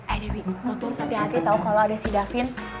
eh dewi mau terus hati hati tau kalo ada si davin